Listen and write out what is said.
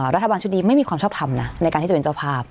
รัฐบาลชุดนี้ไม่มีความชอบทำนะในการที่จะเป็นเจ้าภาพ